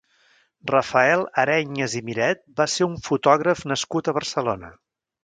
Rafael Areñas i Miret va ser un fotògraf nascut a Barcelona.